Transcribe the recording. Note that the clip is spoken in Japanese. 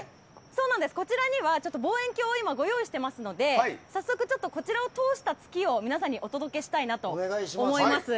こちらには望遠鏡をご用意していますので早速こちらを通した月を皆さんにお届けしたいなと思います。